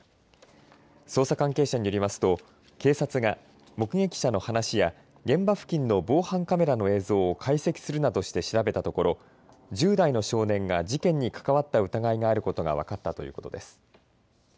捜査関係者によりますと警察が目撃者の話や現場付近の防犯カメラの映像を解析するなどして調べたところ１０代の少年が事件に関わった疑いがあることが分かったということです。